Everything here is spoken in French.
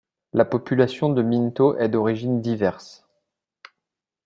La population de Minto est d'origine diverse.